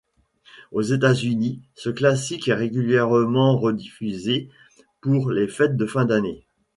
Aux États-Unis, ce classique est régulièrement rediffusé pour les fêtes de fin d’année.